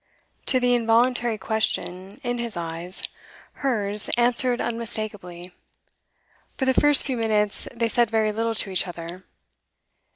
To the involuntary question in his eyes, hers answered unmistakably. For the first few minutes they said very little to each other.